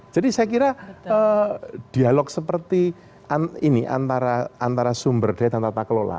saya kira dialog seperti ini antara sumber daya dan tata kelola